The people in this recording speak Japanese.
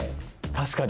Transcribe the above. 確かに。